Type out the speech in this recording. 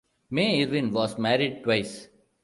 May Irwin was married twice.